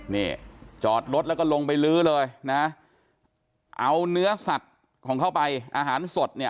นี่จอดรถแล้วก็ลงไปลื้อเลยนะเอาเนื้อสัตว์ของเขาไปอาหารสดเนี่ย